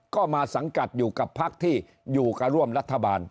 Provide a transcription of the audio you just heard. ก็มาสังกัดอยู่กับพักที่อยู่กับร่วมรัฐบาล